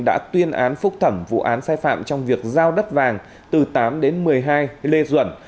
đã tuyên án phúc thẩm vụ án sai phạm trong việc giao đất vàng từ tám đến một mươi hai lê duẩn